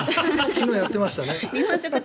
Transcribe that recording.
昨日やっていましたね。